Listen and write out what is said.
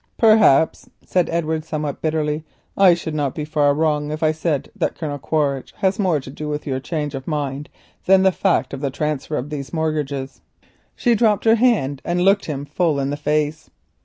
"Perhaps," said Edward, somewhat bitterly, "I should not be far wrong if I said that Colonel Quaritch has more to do with your change of mind than the fact of the transfer of these mortgages." She dropped her hand and looked him full in the face.